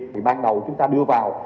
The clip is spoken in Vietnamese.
thì ban đầu chúng ta đưa vào